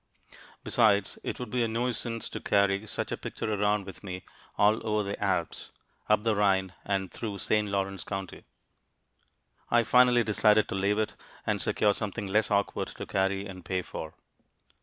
Besides, it would be a nuisance to carry such a picture around with me all over the Alps, up the Rhine and through St. Lawrence county. I finally decided to leave it and secure something less awkward to carry and pay for.